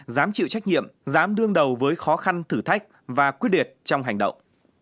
dám chịu trách nhiệm dám đương đầu với khó khăn thử thách và quyết liệt trong hành động